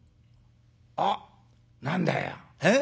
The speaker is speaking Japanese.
あっ何だよええ？